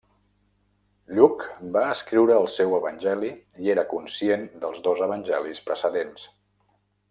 Lluc va escriure el seu evangeli i era conscient dels dos evangelis precedents.